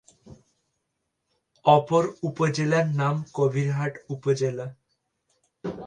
অপর উপজেলার নাম কবিরহাট উপজেলা।